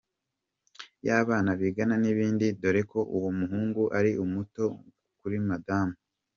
y’abana bigana n’ibindi , doreko uwo muhungu ari muto kuri madamu.